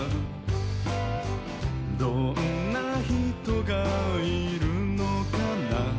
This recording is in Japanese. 「どんなひとがいるのかな」